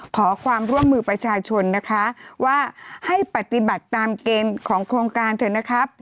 ขอความร่วมมือประชาชนนะคะว่าให้ปฏิบัติตามเกณฑ์ของโครงการเถอะนะครับ